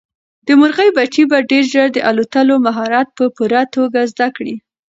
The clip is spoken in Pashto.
د مرغۍ بچي به ډېر ژر د الوتلو مهارت په پوره توګه زده کړي.